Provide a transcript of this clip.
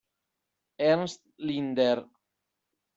Ernst Lindner